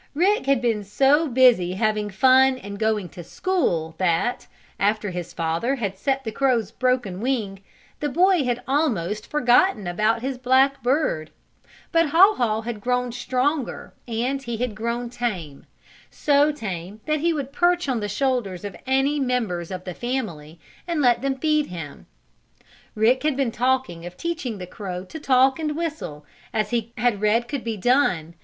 Rick had been so busy having fun and going to school that, after his father had set the crow's broken wing, the boy had almost forgotten about his black bird. But Haw Haw had grown stronger and he had grown tame so tame that he would perch on the shoulders of any members of the family and let them feed him. Rick had been talking of teaching the crow to talk and whistle, as he had read could be done.